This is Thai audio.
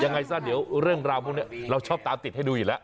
ยังไงซะเดี๋ยวเรื่องราวพวกนี้เราชอบตามติดให้ดูอยู่แล้ว